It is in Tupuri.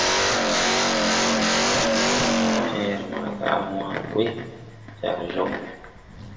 Fẽẽre maaga á wãã ɓuy jar jɔŋ ne.